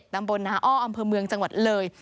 ตำบลนาอ้ออำเภอเมืองจังหวัดเลย